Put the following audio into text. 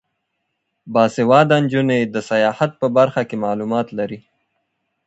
باسواده نجونې د سیاحت په برخه کې معلومات لري.